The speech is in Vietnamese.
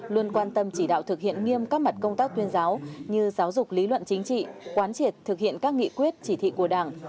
luôn quan tâm chỉ đạo thực hiện nghiêm các mặt công tác tuyên giáo như giáo dục lý luận chính trị quán triệt thực hiện các nghị quyết chỉ thị của đảng